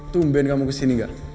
tumben kamu kesini gak